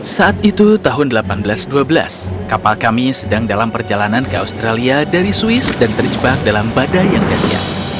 saat itu tahun seribu delapan ratus dua belas kapal kami sedang dalam perjalanan ke australia dari swiss dan terjebak dalam badai yang dahsyat